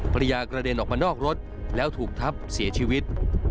กระเด็นออกมานอกรถแล้วถูกทับเสียชีวิต